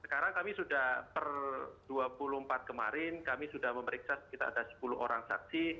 sekarang kami sudah per dua puluh empat kemarin kami sudah memeriksa sekitar ada sepuluh orang saksi